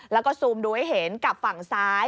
แล้วก็ซูมดูให้เห็นกับฝั่งซ้าย